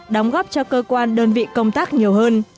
đóng góp cho cơ quan đơn vị công tác nhiều hơn